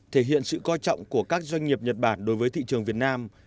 thể hiện sự coi trọng của các doanh nghiệp nhật bản đối với thị trường việt nam